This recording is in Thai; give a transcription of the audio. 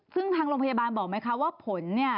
ซึ่งทางโรงพยาบาลบอกไหมคะว่าผลเนี่ย